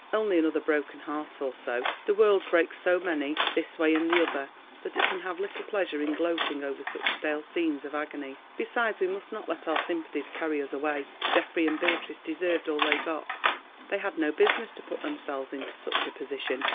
Only another broken heart or so. The world breaks so many this way and the other that it can have little pleasure in gloating over such stale scenes of agony. Besides we must not let our sympathies carry us away. Geoffrey and Beatrice deserved all they got; they had no business to put themselves into such a position.